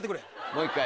もう一回？